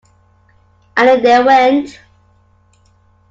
And in they went.